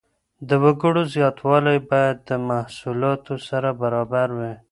د وګړو زياتوالی بايد د محصولاتو سره برابر وي.